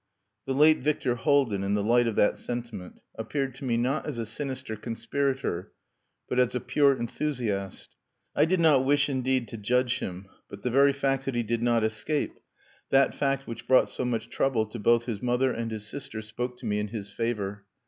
The late Victor Haldin in the light of that sentiment appeared to me not as a sinister conspirator, but as a pure enthusiast. I did not wish indeed to judge him, but the very fact that he did not escape, that fact which brought so much trouble to both his mother and his sister, spoke to me in his favour.